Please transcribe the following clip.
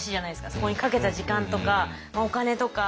そこにかけた時間とかお金とか。